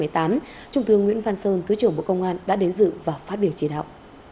trung tướng nguyễn văn sơn thứ trưởng bộ công an đã đến dự và phát biểu chỉ đạo